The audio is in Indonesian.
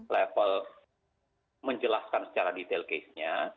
level menjelaskan secara detail case nya